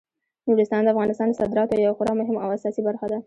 نورستان د افغانستان د صادراتو یوه خورا مهمه او اساسي برخه ده.